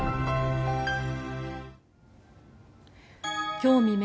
今日未明